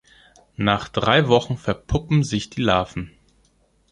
Nach drei Wochen verpuppen sich die Larven.